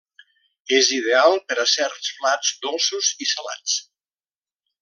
És ideal per a certs plats dolços i salats.